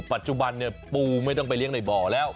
ปัจจุบันเนี่ยปูไม่ต้องไปเลี้ยงในบ่อแล้ว